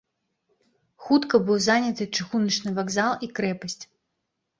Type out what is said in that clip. Хутка быў заняты чыгуначны вакзал і крэпасць.